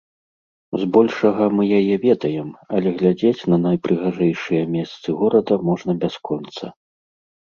Збольшага, мы яе ведаем, але глядзець на найпрыгажэйшыя месцы горада можна бясконца.